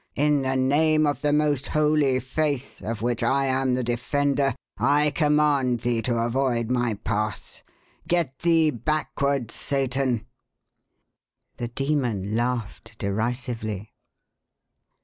In the name of the most holy faith, of which I am the defender, I command thee to avoid my path. Get thee backwards, Satan!" The demon laughed derisively.